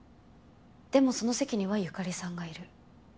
でもその席には由香里さんがいる。